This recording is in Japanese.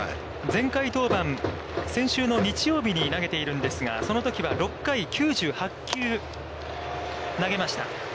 前回登板、先週の日曜日に投げているんですが、そのときは６回９８球投げました。